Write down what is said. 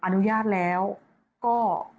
อนุญาตแล้วก็